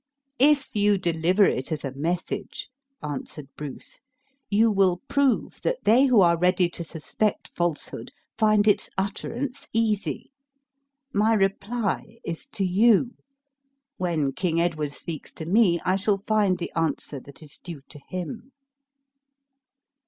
"If you deliver it as a message," answered Bruce, "you will prove that they who are ready to suspect falsehood, find its utterance easy. My reply is to you. When King Edward speaks to me, I shall find the answer that is due to him."